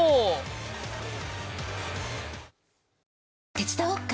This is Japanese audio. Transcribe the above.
手伝おっか？